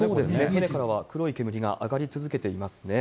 船からは黒い煙が上がり続けていますね。